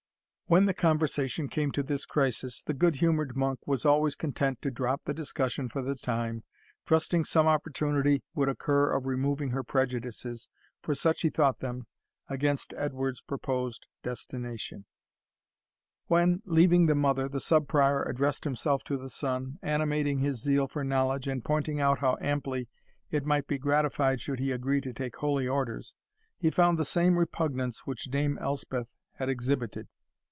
When the conversation came to this crisis, the good humoured monk was always content to drop the discussion for the time, trusting some opportunity would occur of removing her prejudices, for such he thought them, against Edward's proposed destination. When, leaving the mother, the Sub Prior addressed himself to the son, animating his zeal for knowledge, and pointing out how amply it might be gratified should he agree to take holy orders, he found the same repugnance which Dame Elspeth had exhibited.